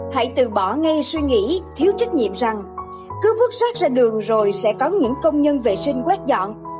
hãy từ bỏ ngay suy nghĩ thiếu trách nhiệm rằng cứ vứt rác ra đường rồi sẽ có những công nhân vệ sinh quét dọn